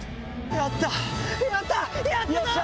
やったぞ！